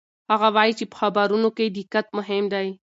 هغه وایي چې په خبرونو کې دقت مهم دی.